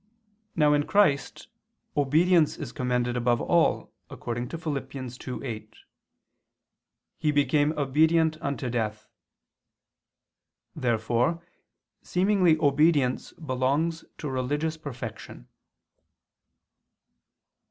Now in Christ obedience is commended above all according to Phil. 2:8, "He became [Vulg.: 'becoming'] obedient unto death." Therefore seemingly obedience belongs to religious perfection.